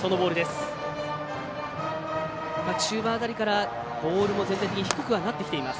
中盤辺りからボールも全体的に低くなってきています。